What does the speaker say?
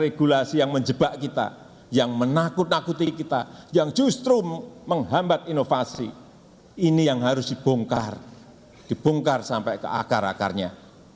regulasi yang menjebak kita yang menakut nakuti kita yang justru menghambat inovasi ini yang harus dibongkar dibongkar sampai ke akar akarnya